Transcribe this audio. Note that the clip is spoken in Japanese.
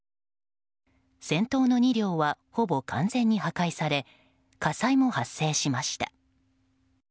先頭の２両はほぼ完全に破壊され火災も発生しました。